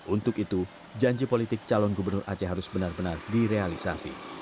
untuk itu janji politik calon gubernur aceh harus benar benar direalisasi